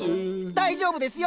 大丈夫ですよ。